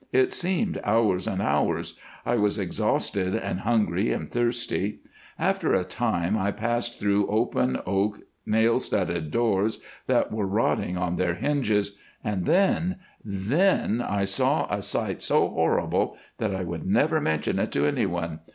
It seemed hours and hours. I was exhausted and hungry and thirsty. After a time I passed through open oak nail studded doors that were rotting on their hinges, and then—then, I saw a sight so horrible that I would never mention it to anyone.